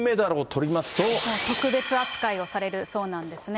特別扱いをされるそうなんですね。